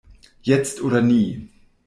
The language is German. Jetzt oder nie!